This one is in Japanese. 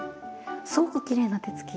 すごくきれいな手つき。